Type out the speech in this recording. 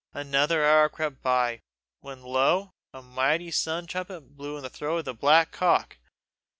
Another hour crept by; when lo, a mighty sun trumpet blew in the throat of the black cock!